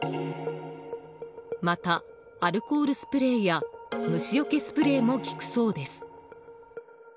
また、アルコールスプレーや虫除けスプレーも効くそうです。